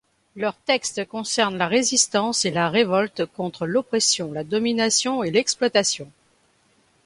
Leurs textes concernent la résistance et la révolte contre l'oppression, la domination et l'exploitation.